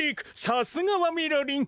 さすがはみろりん。